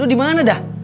lo dimana dah